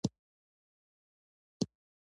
دوی له هغوی څخه غوښتنې کړې وې.